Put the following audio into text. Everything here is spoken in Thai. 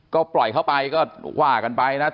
ก็ปล่อยเข้าไปก็ว่ากันไปนะ